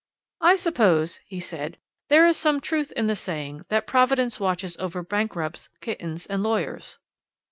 "I suppose," he said, "there is some truth in the saying that Providence watches over bankrupts, kittens, and lawyers."